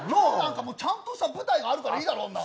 ちゃんとした舞台があるからいいやろ。